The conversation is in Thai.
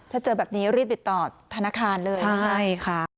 ถ้าเจอแบบนี้รีบไปต่อธนาคารเลย